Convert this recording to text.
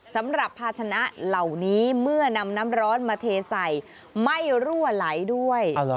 สำหรับภาชนะเหล่านี้เมื่อนำน้ำร้อนมาเทใส่ไม่รั่วไหลด้วย